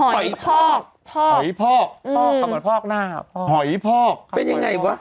หอยพอกพอกหอยพอกพอกเอามาพอกหน้าหอยพอกเป็นยังไงวะ